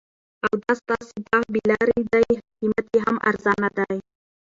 او دا ستاسي باغ بې لاري دي قیمت یې هم ارزانه دي